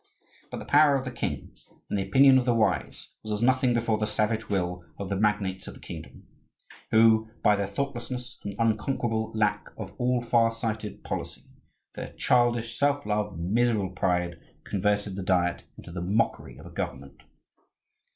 But the power of the king, and the opinion of the wise, was as nothing before the savage will of the magnates of the kingdom, who, by their thoughtlessness and unconquerable lack of all far sighted policy, their childish self love and miserable pride, converted the Diet into the mockery of a government.